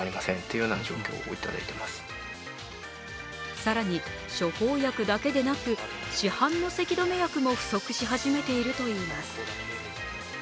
更に、処方薬だけでなく市販のせき止め薬も不足し始めているといいます。